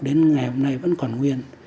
đến ngày hôm nay vẫn còn nguyên